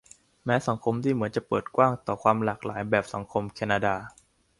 แม้สังคมที่เหมือนจะเปิดกว้างต่อความหลากหลายแบบสังคมแคนนาดา